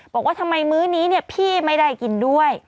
บอกว่าทำไมมื้อนี้พี่ไม่ได้กินด้วย